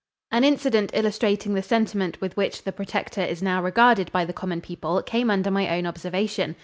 An incident illustrating the sentiment with which the Protector is now regarded by the common people came under my own observation.